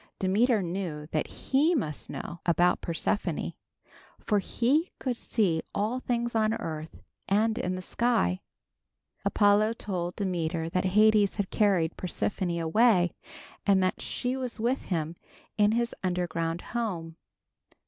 Demeter knew that he must know about Persephone, for he could see all things on earth and in the sky. Apollo told Demeter that Hades had carried Persephone away and that she was with him in his underground home.